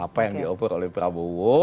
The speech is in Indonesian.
apa yang di offer oleh prabowo